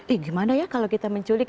eh gimana ya kalau kita menculik